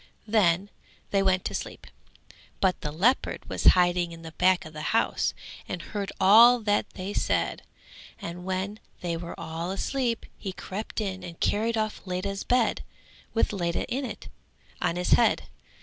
Then they went to sleep; but the leopard was hiding at the back of the house and heard all that they said; and when they were all asleep, he crept in and carried off Ledha's bed with Ledha in it on his head.